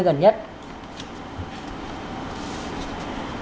công an tỉnh khánh hòa